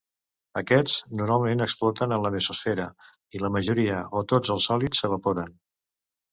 Aquests, normalment, exploten en la mesosfera, i la majoria o tots els sòlids s'evaporen.